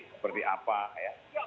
seperti apa ya